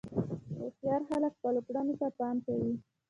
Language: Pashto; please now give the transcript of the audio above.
هوښیار خلک خپلو کړنو ته پام کوي.